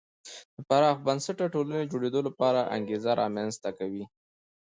د پراخ بنسټه ټولنې جوړېدو لپاره انګېزه رامنځته کوي.